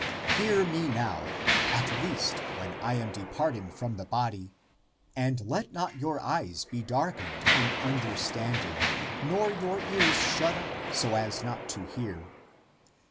" Hear me now, at least, when I am depart ing from the body; and let not your eyes be dark ened in understanding, nor your ears shut up, so as not to hear